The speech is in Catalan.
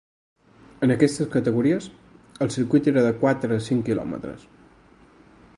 En aquestes categories, el circuit era de quatre, cinc quilòmetres.